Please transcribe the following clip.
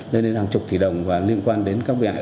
lên đến hàng chục tỷ đồng và liên quan đến các bị hại